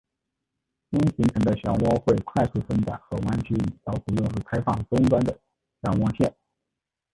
新形成的涡旋会快速伸展和弯曲以消除任何开放终端的涡旋线。